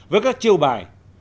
với các chiêu bài